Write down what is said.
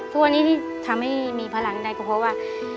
ทุกวันนี้ที่ทำให้มีพลังได้ก็เพราะว่า